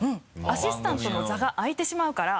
アシスタントの座が空いてしまうから。